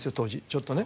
ちょっとね。